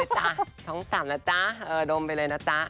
ต้องมาดูสินะ